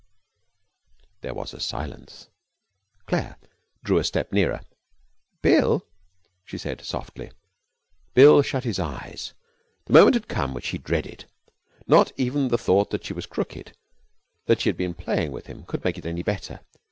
There was a silence. Claire drew a step nearer. 'Bill!' she said softly. Bill shut his eyes. The moment had come which he had dreaded. Not even the thought that she was crooked, that she had been playing with him, could make it any better.